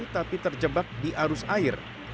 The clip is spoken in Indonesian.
tapi terjebak di arus air